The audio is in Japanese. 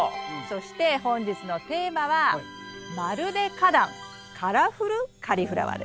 そして本日のテーマはカラフル・カリフラワー。